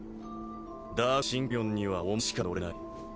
ダークシンカリオンにはお前しか乗れない。